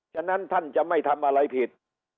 ฉะนั้นท่านจะไม่ทำอะไรผิด